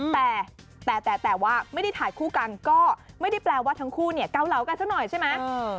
แต่แต่ว่าไม่ได้ถ่ายคู่กันก็ไม่ได้แปลว่าทั้งคู่เนี่ยเกาเหลากันซะหน่อยใช่ไหม